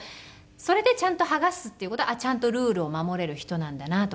それでちゃんと剥がすっていう事はちゃんとルールを守れる人なんだなとか。